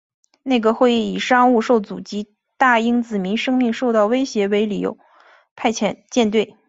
内阁会议以商务受阻及大英子民生命受到威胁为理由派遣舰队。